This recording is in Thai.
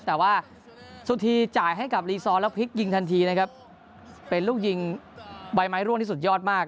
แต่ว่าสุธีจ่ายให้กับรีซอร์แล้วพลิกยิงทันทีนะครับเป็นลูกยิงใบไม้ร่วงที่สุดยอดมาก